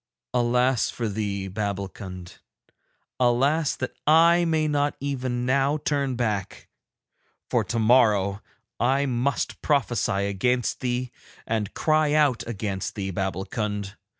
Alas for thee, Babbulkund, alas that I may not even now turn back, for tomorrow I must prophesy against thee and cry out against thee, Babbulkund.